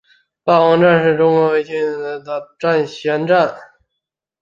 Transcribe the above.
霸王战是中国围棋第一个采用决赛七番胜负的头衔战。